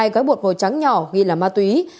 hai gói bột màu trắng nhỏ ghi là ma túy